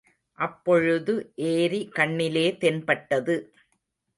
அப்பொழுது ஏரி கண்ணிலே தென்பட்டது.